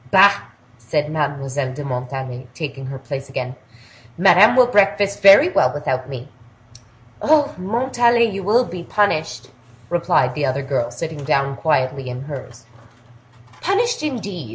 "Bah!" said Mademoiselle de Montalais, taking her place again; "Madame will breakfast very well without me!" "Oh! Montalais, you will be punished!" replied the other girl, sitting down quietly in hers. "Punished, indeed!